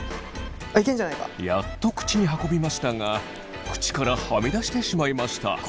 やっと口に運びましたが口からはみ出してしまいました。